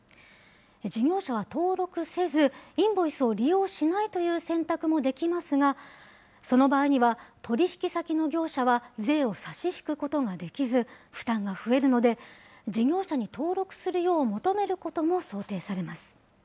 事業者は登録せず、インボイスを利用しないという選択もできますが、その場合には、取り引き先の業者は税を差し引くことができず、負担が増えるので、事業者に登録するよう求めることも想定されます。